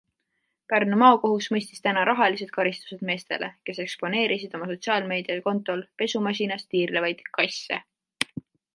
Pärnu maakohus mõistis täna rahalised karistused meestele, kes eksponeerisid oma sotsiaalmeedia kontol pesumasinas tiirlevaid kasse.